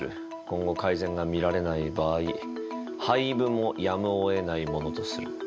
今後改善が見られない場合廃部もやむを得ないものとする。